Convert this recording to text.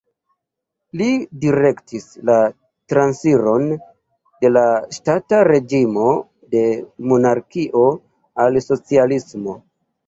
Li direktis la transiron de la ŝtata reĝimo de monarkio al socialismo.